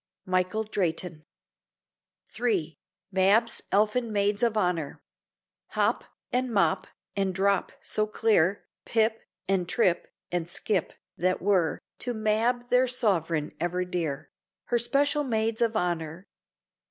Michael Drayton III MAB'S ELFIN MAIDS OF HONOUR Hop, and Mop, and Drop so clear, Pip, and Trip, and Skip, that were To Mab their sovereign ever dear, Her special maids of honour.